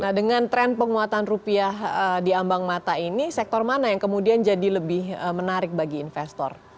nah dengan tren penguatan rupiah di ambang mata ini sektor mana yang kemudian jadi lebih menarik bagi investor